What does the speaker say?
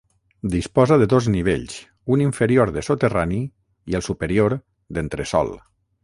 Disposa de dos nivells, un inferior de soterrani i el superior, d'entresòl.